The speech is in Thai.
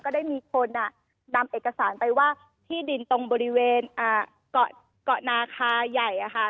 ได้มีคนนำเอกสารไปว่าที่ดินตรงบริเวณเกาะเกาะนาคาใหญ่อะค่ะ